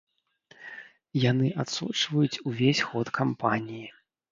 Яны адсочваюць увесь ход кампаніі.